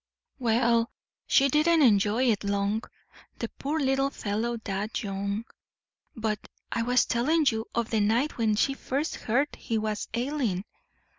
"Well, she didn't enjoy it long. The poor little fellow died young. But I was telling you of the night when she first heard he was ailing.